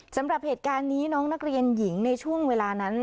สำหรับเหตุการณ์นี้น้องนักเรียนหญิงในช่วงเวลานั้น